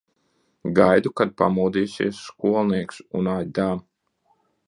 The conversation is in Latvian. Gaidu, kad pamodīsies skolnieks un aidā!